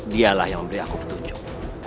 dialah yang memberi aku petunjuk